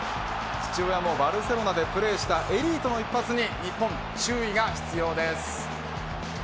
父親もバルセロナでプレーしたエリートの一発に日本、注意が必要です。